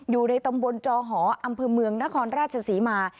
อยู่ในตำบลจอหออำเภอเมืองนครราชศรีมา